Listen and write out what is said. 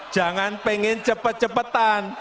jangan pengen cepet cepetan